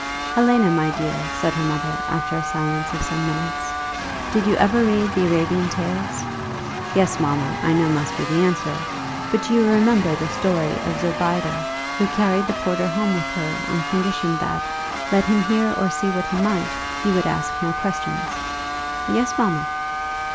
"Helena, my dear," said her mother, after a silence of some minutes, "did you ever read the Arabian Tales? 'Yes, mamma,' I know must be the answer. But do you remember the story of Zobeide, who carried the porter home with her on condition that, let him hear or see what he might, he would ask no questions?" "Yes, mamma."